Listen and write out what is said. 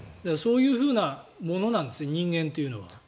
そういうものなんです人間というのは。